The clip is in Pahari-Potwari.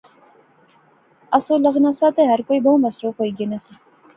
آسو لغنا سا تہ ہر کوئی بہوں مصروف ہوئی گینا سا